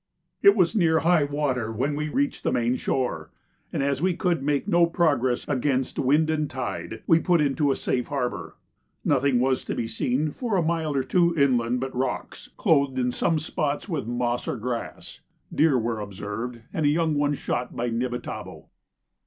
It was near high water when we reached the main shore, and as we could make no progress against wind and tide, we put into a safe harbour. Nothing was to be seen for a mile or two inland but rocks, clothed in some spots with moss or grass. Deer were observed, and a young one shot by Nibitabo.